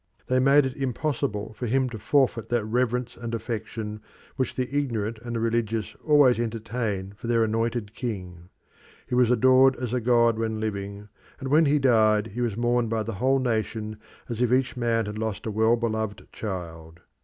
They made it impossible for him to forfeit that reverence and affection which the ignorant and the religious always entertain for their anointed king. He was adored as a god when living, and when he died he was mourned by the whole nation as if each man had lost a well beloved child.